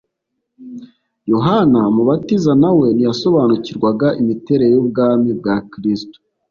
Yohana umubatiza na we ntiyasobanukirwaga imiterere y'ubwami bwa Kristo.